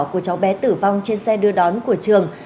của cháu bé tử vong trên xe đưa đón của trường